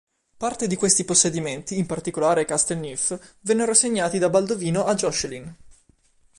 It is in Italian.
Parte di questi possedimenti, in particolare "Castel Neuf", vennero assegnati da Baldovino a Joscelin.